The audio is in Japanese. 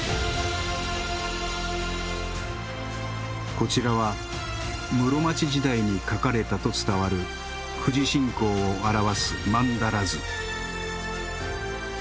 こちらは室町時代に描かれたと伝わる富士信仰を表す曼荼羅図。